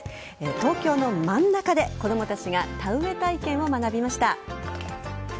東京の真ん中で、子供たちが田植え体験を学びました。